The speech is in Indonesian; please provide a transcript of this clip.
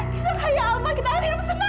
kita kaya alma kita akan hidup senang